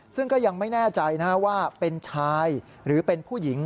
ซึ่งก็ยังไม่แน่ใจว่าเป็นชายหรือเป็นผู้หญิง